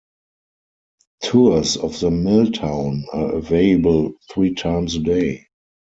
Tours of the mill town are available three times a day.